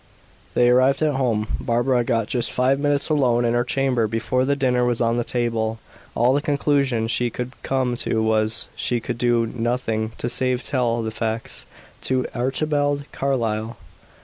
They arrived at home. Barbara got just five minutes alone in her chamber before the dinner was on the table. All the conclusion she could come to was, she could do nothing save tell the facts to Archibald Carlyle.